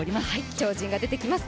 超人が出ています。